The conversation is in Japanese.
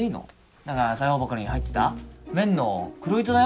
何か裁縫箱に入ってた綿の黒糸だよ